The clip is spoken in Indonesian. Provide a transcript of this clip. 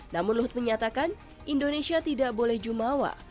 namun luhut menyatakan indonesia tidak boleh jumawa